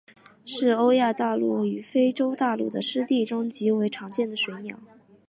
是欧亚大陆与非洲大陆的湿地中极为常见的水鸟。